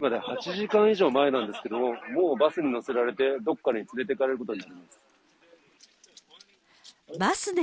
まだ８時間以上前なんですけれども、もうバスに乗せられて、どこかに連れていかれることになります。